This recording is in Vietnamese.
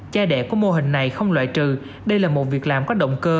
cha đẻ của mô hình này không loại trừ đây là một việc làm có động cơ